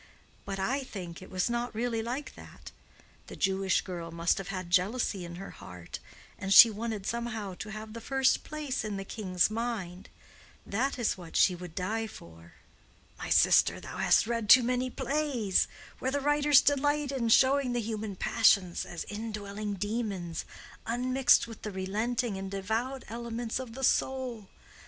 But I think it was not really like that. The Jewish girl must have had jealousy in her heart, and she wanted somehow to have the first place in the king's mind. That is what she would die for." "My sister, thou hast read too many plays, where the writers delight in showing the human passions as indwelling demons, unmixed with the relenting and devout elements of the soul.